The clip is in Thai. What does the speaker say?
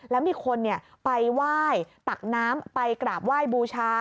แล้วมีคนไปไหว้ตักน้ำไปกราบไหว้บูชา